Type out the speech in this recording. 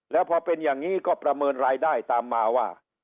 แล้วพอเป็นอย่างนี้ก็ประเมินรายได้ตามมาว่า